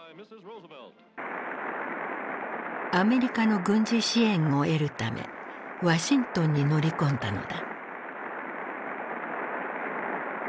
アメリカの軍事支援を得るためワシントンに乗り込んだのだ。